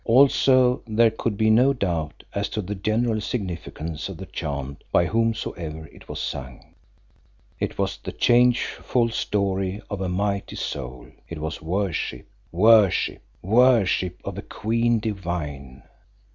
Also there could be no doubt as to the general significance of the chant by whomsoever it was sung. It was the changeful story of a mighty soul; it was worship, worship, worship of a queen divine!